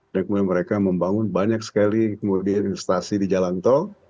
dan kemudian mereka membangun banyak sekali kemudian investasi di jalan tol